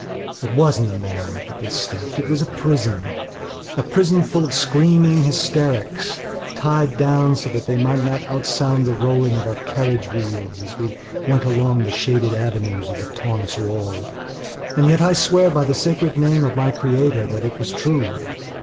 It wasn't a minuet that we stepped; it was a prisona prison full of screaming hysterics, tied down so that they might not outsound the rolling of our carriage wheels as we went along the shaded avenues of the Taunus Wald. And yet I swear by the sacred name of my creator that it was true.